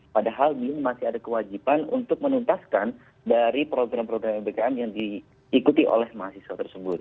padahal ini masih ada kewajiban untuk menuntaskan dari program program mbkm yang diikuti oleh mahasiswa tersebut